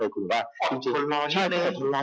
อย่างอาจจะถึงหลัง